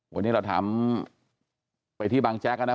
วันนี้เราถามไปที่บางแจ๊กนะ